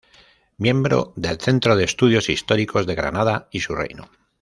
Miembro del Centro de Estudios Históricos de Granada y su Reino.